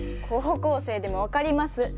高校生でも分かります！